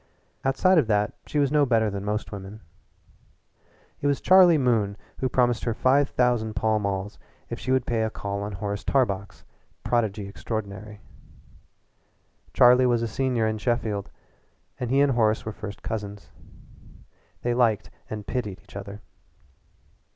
Outside of that she was no better than most women. It was Charlie Moon who promised her five thousand Pall Malls if she would pay a call on Horace Tarbox, prodigy extraordinary. Charlie was a senior in Sheffield, and he and Horace were first cousins. They liked and pitied each other.